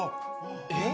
えっ？